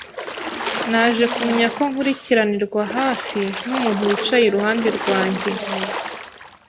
Naje kumenya ko nkurikiranirwa hafi numuntu wicaye iruhande rwanjye.